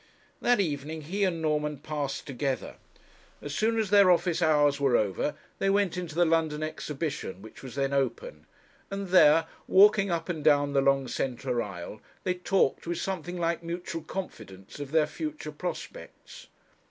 That evening he and Norman passed together. As soon as their office hours were over, they went into the London Exhibition, which was then open; and there, walking up and down the long centre aisle, they talked with something like mutual confidence of their future prospects.